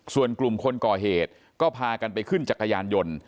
ส่วนกลุ่มคนก่อเหตุก็พากันไปขึ้นจักรยานยนต์